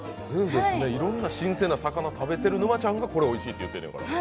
いろんな新鮮な魚を食べてる沼ちゃんがこれ、おいしいって言ってるんやから。